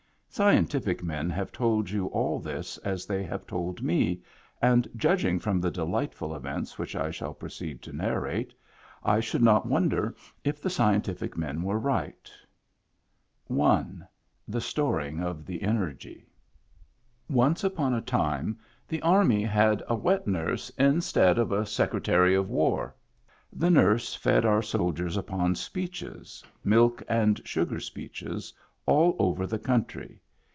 Scientific men have told you all this as they have told me, and judging from the delightful events which I shall proceed to narrate, I should not wonder if the scientific men were right I. The Storing of the Energy Once upon a time the army had a wet nurse instead of a secretary of war. The nurse fed our soldiers upon speeches, milk and sugar speeches, aU over the country.